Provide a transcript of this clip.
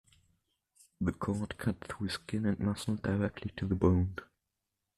The cord cut through skin and muscle directly to the bone.